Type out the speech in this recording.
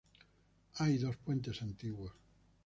Hay dos puentes antiguos.